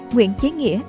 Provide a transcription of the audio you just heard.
nguyễn chế nghĩa